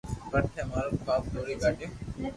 پر ٿي مارو خواب توڙي ڪاڌيو